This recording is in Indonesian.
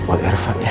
om irfan ya